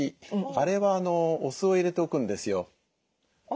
あれはお酢を入れておくんですよ。